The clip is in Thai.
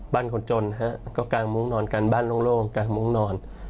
คนจนฮะก็กางมุ้งนอนกันบ้านโล่งกลางมุ้งนอน